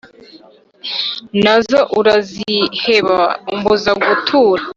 nazo uraziheba umbuza gutura